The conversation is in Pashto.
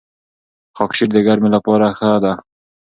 خاکشیر د ګرمۍ لپاره ښه دی.